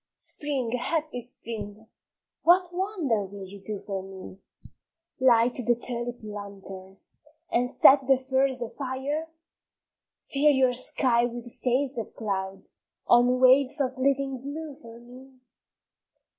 Spring, happy Spring, what wonder will you do for me? Light the tulip lanterns, and set the furze a fire? Fill your sky with sails of cloud on waves of living blue for me?